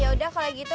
ya yaudah kalau gitu